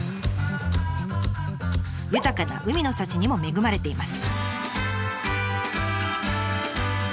豊かな海の幸にも恵まれています。